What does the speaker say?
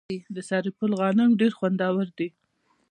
د سرپل غنم ډیر خوندور دي.